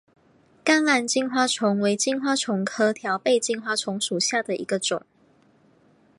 甘蓝金花虫为金花虫科条背金花虫属下的一个种。